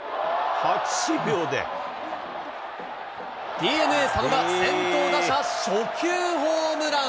ＤｅＮＡ、佐野が先頭打者初球ホームラン。